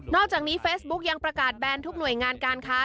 อกจากนี้เฟซบุ๊กยังประกาศแบนทุกหน่วยงานการค้า